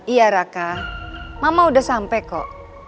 iya raka mama udah sampai kok